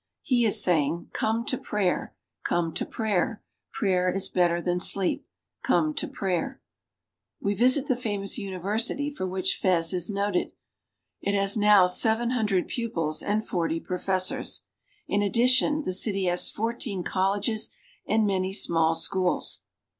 He is saying: "Come to prayer! Come to prayer! Prayer is better than sleep. Come to prayer !" We visit the famous university for which Fez is noted. It has now seven hundred pupils and forty professors. In addition the city has fourteen colleges and many small schools.